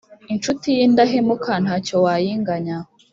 Incuti y’indahemuka nta cyo wayinganya